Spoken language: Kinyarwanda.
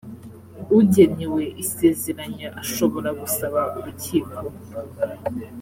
ugenewe isezeranya ashobora gusaba urukiko